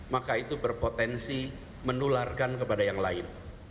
maka itu berpotensi menularkan kepada yang lain